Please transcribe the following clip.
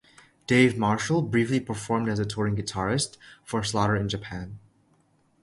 Dave Marshall briefly performed as a touring guitarist for Slaughter in Japan.